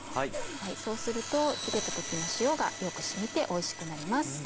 そうするとゆでた時の塩がよく染みておいしくなります。